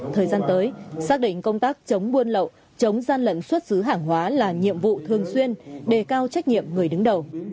thời gian tới xác định công tác chống buôn lậu chống gian lận xuất xứ hàng hóa là nhiệm vụ thường xuyên đề cao trách nhiệm người đứng đầu